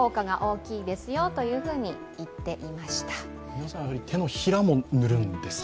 皆さん、手のひらも塗るんですか？